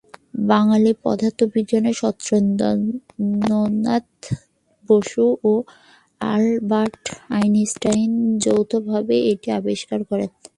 বাঙালি পদার্থবিজ্ঞানী সত্যেন্দ্রনাথ বসু এবং Albert Einstein যৌথভাবে এটি আবিষ্কার করেন।